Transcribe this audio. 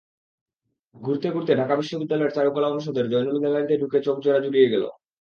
ঘুরতে ঘুরতে ঢাকা বিশ্ববিদ্যালয়ের চারুকলা অনুষদের জয়নুল গ্যালারিতে ঢুকে চোখ জোড়া জুড়িয়ে গেল।